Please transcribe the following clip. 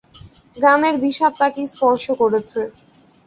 গানের বিষাদ তাঁকে স্পর্শ করেছে।